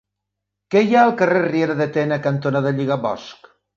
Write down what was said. Què hi ha al carrer Riera de Tena cantonada Lligabosc?